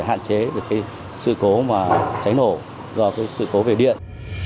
hạn chế được cái sự cố mà cháy nổ do cái sự cố về điện